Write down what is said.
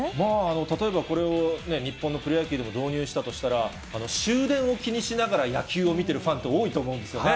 例えばこれを日本のプロ野球にも導入したとしたら、終電を気にしながら、野球を見てるファンって多いと思うんですよね。